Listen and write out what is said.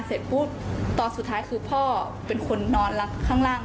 เสร็จปุ๊บตอนสุดท้ายคือพ่อเป็นคนนอนข้างล่าง